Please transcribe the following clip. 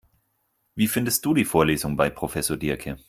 Wie findest du die Vorlesungen bei Professor Diercke?